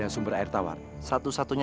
kang spiritual raksasa